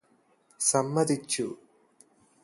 സമ്മതിച്ചു